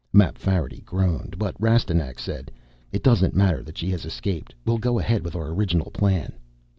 Mapfarity groaned, but Rastignac said, "It doesn't matter that she has escaped. We'll go ahead with our original plan."